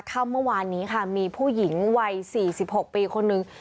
เมื่อวานนี้ค่ะมีผู้หญิงวัย๔๖ปีคนนึง